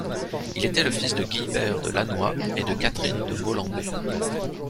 Il était le fils de Guillebert de Lannoy et de Catherine de Molembais.